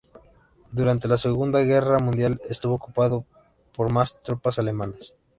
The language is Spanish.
Durante de Segunda Guerra Mundial estuvo ocupado por las tropas alemanas.